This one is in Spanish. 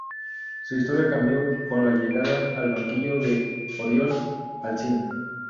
Su historia cambió con la llegada al banquillo de Oriol Alsina.